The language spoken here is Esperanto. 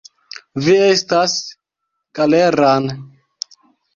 Vi estas Galeran.